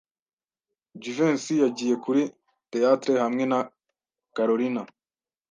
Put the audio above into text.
Jivency yagiye kuri theatre hamwe na Kalorina.